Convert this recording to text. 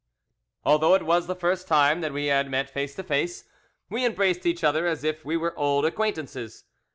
"Although it was the first time that we had met face to face, we embraced each other as if we were old acquaintances.